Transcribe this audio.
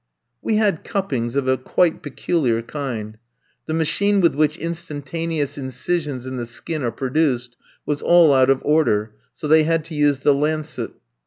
We had cuppings of a quite peculiar kind. The machine with which instantaneous incisions in the skin are produced, was all out of order, so they had to use the lancet.